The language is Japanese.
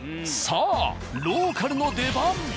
さあローカルの出番。